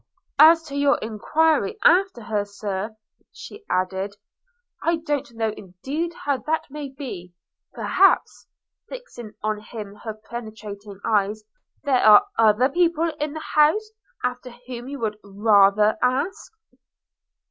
'As to your enquiry after her, Sir,' added she, 'I don't know indeed how that may be; perhaps (fixing on him her penetrating eyes) there are other people in the house after whom you would rather ask.'